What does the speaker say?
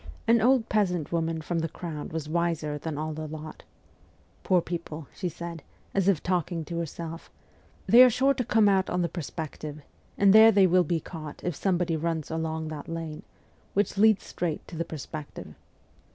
An old peasant woman from the crowd was wiser than all the lot. ' Poor people/ she said, as if talking to herself, ' they are sure to come out on, the Perspective, and there they will be caught if somebody runs along that lane, which leads straight to the Perspective.'